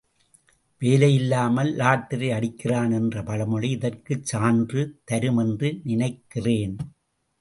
வேலையில்லாமல் lottery அடிக்கிறான் என்ற பழமொழி இதற்குச் சான்று தரும் என்று நினைக்கிறேன்.